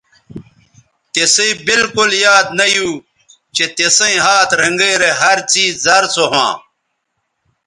تِسئ بالکل یاد نہ یو چہء تسئیں ھات رھینگیرے ھر څیز زر سو ھواں